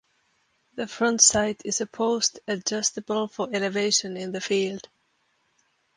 The front sight is a post adjustable for elevation in the field.